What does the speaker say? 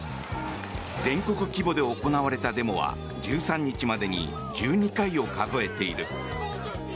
全国規模で行われたデモは１３日までに１２回を数えている。